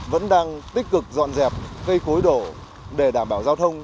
vẫn đang tích cực dọn dẹp cây cối đổ để đảm bảo giao thông